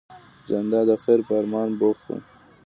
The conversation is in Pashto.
جانداد د خیر په ارمان بوخت وي.